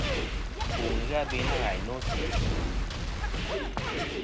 Ɨnfuʼ nɨn ghɨ abe nâ ghàyn nô sɨ idvɨ.